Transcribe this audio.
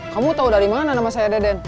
kamu tahu dari mana nama saya deden